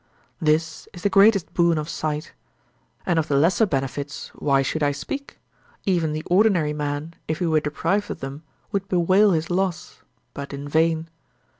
This is the greatest boon of sight: and of the lesser benefits why should I speak? even the ordinary man if he were deprived of them would bewail his loss, but in vain.